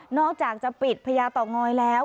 นอกจากจะปิดพระยาต่องอยแล้ว